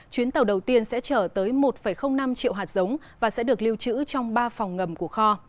chuyến tàu đầu tiên sẽ chở tới một năm triệu hạt giống và sẽ được lưu trữ trong ba phòng ngầm của kho